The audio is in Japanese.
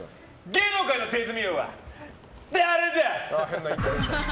芸能界の手積み王は誰だ！？